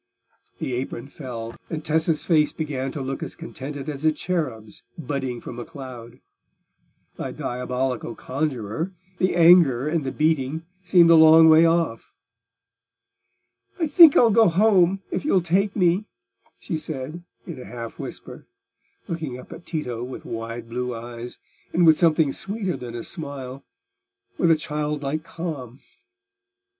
The apron fell, and Tessa's face began to look as contented as a cherub's budding from a cloud. The diabolical conjuror, the anger and the beating, seemed a long way off. "I think I'll go home, if you'll take me," she said, in a half whisper, looking up at Tito with wide blue eyes, and with something sweeter than a smile—with a childlike calm.